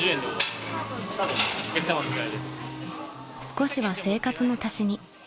［少しは生活の足しに］